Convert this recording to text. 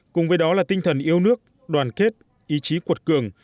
cùng với đó là tinh thần yêu nước đoàn kết ý chí cuột cường